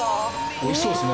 美味しそうですね。